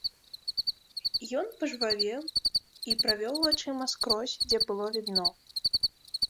Ён пажвавеў і правёў вачыма скрозь, дзе было відно.